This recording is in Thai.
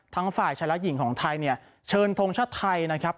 ฝ่ายชายละหญิงของไทยเนี่ยเชิญทงชาติไทยนะครับ